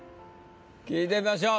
聞いてみましょう。